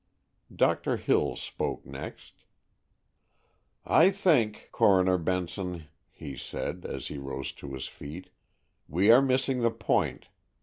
Doctor Hills spoke next. "I think, Coroner Benson," he said, as he rose to his feet, "we are missing the point.